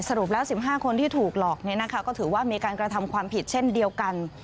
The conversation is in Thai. สรุปแล้ว๑๕คนที่ถูกหลอกก็ถือว่ามีการกระทำความผิดเช่นเดียวกัน